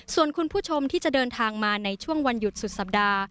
ส่วนคุณผู้ชมที่จะเดินทางมาในช่วงวันหยุดสุดสัปดาห์